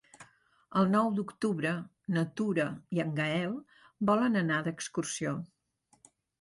El nou d'octubre na Tura i en Gaël volen anar d'excursió.